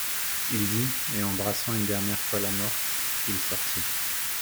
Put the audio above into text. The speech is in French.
Il dit, et, embrassant une dernière fois la morte, il sortit.